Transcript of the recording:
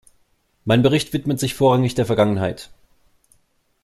Mein Bericht widmet sich vorrangig der Vergangenheit.